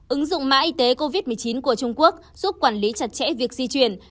ứng dụng mã y tế covid một mươi chín của trung quốc giúp quản lý chặt chẽ việc di chuyển